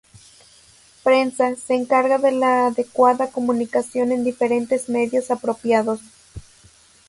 Prensa: se encarga de la adecuada comunicación en diferentes medios apropiados.